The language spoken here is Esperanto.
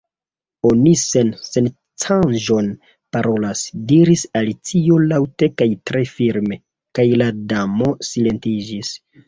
"Oni sen -sencaĵon parolas!" diris Alicio laŭte kaj tre firme; kaj la Damo silentiĝis!